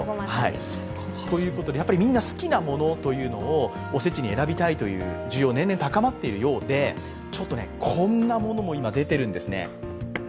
みんな、好きなものをおせちに選びたいという需要、年々高まっているようで、こんなものも今出ているんですね。